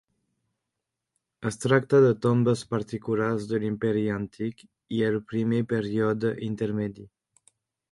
Es tracta de tombes particulars de l'Imperi Antic i el Primer Període Intermedi.